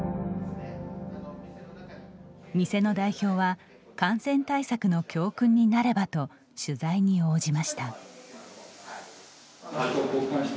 店の代表は感染対策の教訓になればと取材に応じました。